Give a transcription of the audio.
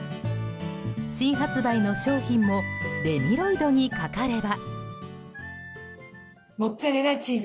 新発売の商品もレミロイドにかかれば。